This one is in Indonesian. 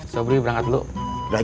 sobri berangkat dulu